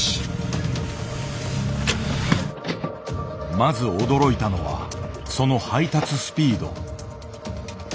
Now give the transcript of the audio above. まず驚いたのはその配達スピード。